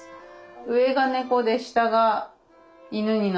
上が猫で下が犬になっていて。